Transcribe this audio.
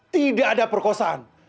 tidak ada perkosaan